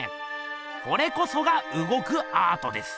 これこそがうごくアートです！